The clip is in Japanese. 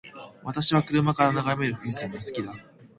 私は車から眺める富士山が好きだ。